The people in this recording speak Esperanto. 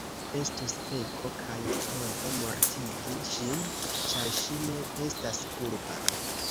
Estus peko kaj honto mortigi ŝin, ĉar ŝi ne estas kulpa.